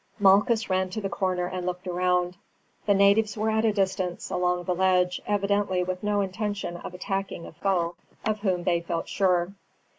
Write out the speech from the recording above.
Malchus ran to the corner and looked round. The natives were at a distance along the ledge, evidently with no intention of attacking a foe of whom they felt sure.